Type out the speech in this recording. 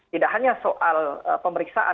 tidak hanya soal pemeriksaan